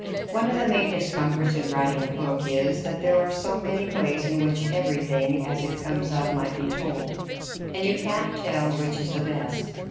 One of the main discomforts in writing a book is, that there are so many ways in which every thing, as it comes up, might be told, and you can't tell which is the best.